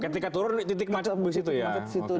ketika turun titik macet di situ ya